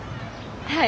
はい。